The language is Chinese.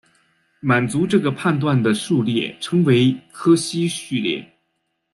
满足这个判据的数列称为柯西序列。